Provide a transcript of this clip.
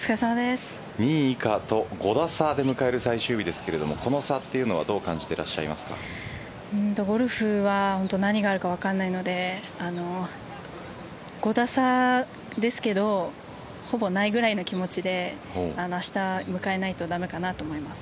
２位以下と５打差で迎える最終日ですがこの差というのはゴルフは何があるか分からないので５打差ですけどほぼないぐらいな気持ちで明日、迎えないと駄目かなと思います。